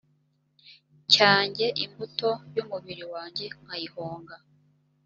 cyanjye imbuto y umubiri wanjye nkayihonga